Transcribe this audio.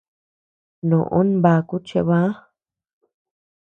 Noʼó nbaku chebäa.